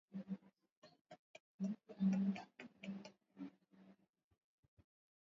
mikakati mseto ya kufuatilia na kukabiliana na magonjwa